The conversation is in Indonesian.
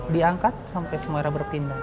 diangkat sampai semua airnya berpindah